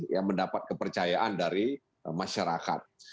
yang mendapat kepercayaan dari masyarakat